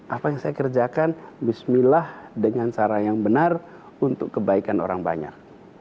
apa yang saya kerjakan bismillah dengan cara yang benar untuk kebaikan orang banyak